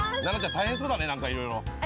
大変そうだね、何かいろいろ。